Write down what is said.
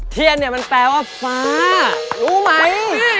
เทียนเนี่ยมันแปลว่าฟ้ารู้ไหม